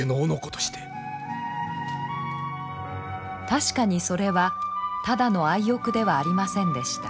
確かにそれはただの愛欲ではありませんでした。